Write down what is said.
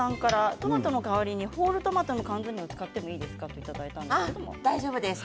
トマトの代わりにホールトマトの缶詰を使ってもいいですかと大丈夫です。